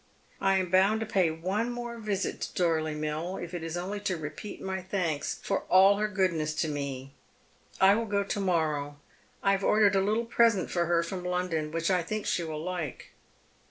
I am bound to pay one more visit to Dorley Mill, if it js only to repeat my thanks for all her goodness to me. I will go to morrow. I have ordered a httle present for her from London ■which I think she will like."